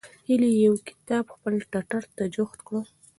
هیلې یو کتاب خپل ټټر ته جوخت کړ.